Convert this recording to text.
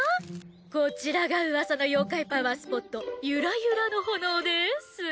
こちらがうわさの妖怪パワースポットユラユラの炎です。